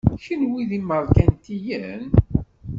Kenwi d imerkantiyen?